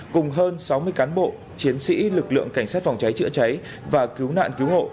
cùng hơn sáu mươi cán bộ chiến sĩ lực lượng cảnh sát phòng cháy chữa cháy và cứu nạn cứu hộ